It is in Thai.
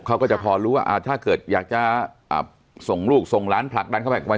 เขาก็จะพอรู้ว่าถ้าเกิดอยากจะส่งลูกส่งหลานผลักดันเข้าไป